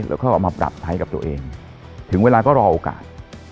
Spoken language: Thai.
แล้วก็เอามาปรับใช้กับตัวเองถึงเวลาก็รอโอกาส